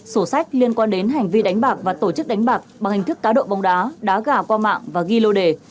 sổ sách liên quan đến hành vi đánh bạc và tổ chức đánh bạc bằng hình thức cá độ bóng đá đá gà qua mạng và ghi lô đề